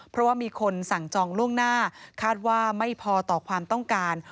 เพราะว่ามีคนสั่งจองล่วงหน้าคาดว่าไม่พอต่อความต้องการ